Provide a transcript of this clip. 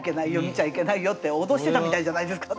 見ちゃいけないよって脅してたみたいじゃないですか！